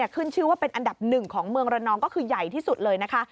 ขึ้นชื่อว่าเป็นอันดับหนึ่งของเมืองระนองก็คือใหญ่ที่สุดเลยนะคะ